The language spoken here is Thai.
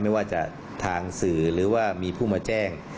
ไม่ว่าจะทางสื่อหรือว่ามีผู้มาแจ้ง